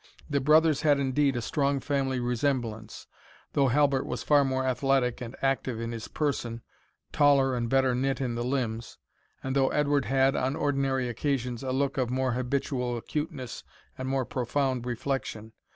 The brothers had indeed a strong family resemblance, though Halbert was far more athletic and active in his person, taller and better knit in the limbs, and though Edward had, on ordinary occasions, a look of more habitual acuteness and more profound reflection.